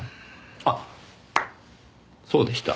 あっそうでした。